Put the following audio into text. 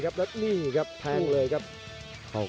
กันต่อแพทย์จินดอร์